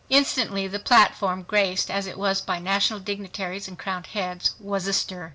Instantly the platform, graced as it was by national dignitaries and crowned heads, was astir.